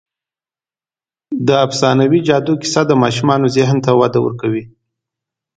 د افسانوي جادو کیسه د ماشومانو ذهن ته وده ورکوي.